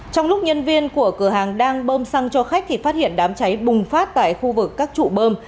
trong lúc nhân viên của cửa hàng đang bơm xăng cho khách thì phát hiện đám cháy bùng phát tại khu vực các trụ bơm